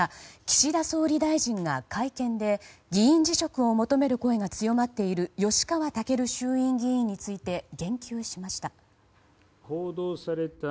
岸田総理大臣が会見で議員辞職を求める声が強まっている吉川赳衆院議員について言及しました。